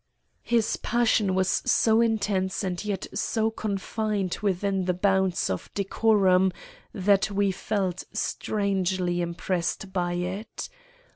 His passion was so intense and yet so confined within the bounds of decorum, that we felt strangely impressed by it.